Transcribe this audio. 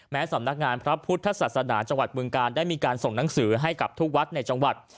สำนักงานพระพุทธศาสนาจังหวัดบึงการได้มีการส่งหนังสือให้กับทุกวัดในจังหวัด